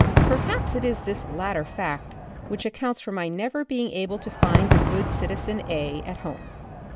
Perhaps it is this latter fact which accounts for my never being able to find the good citizen A at home.